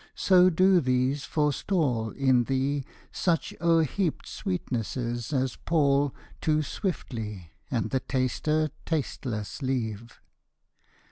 So do these forestall In thee such o'erheaped sweetnesses as pall Too swiftly, and the taster tasteless leave.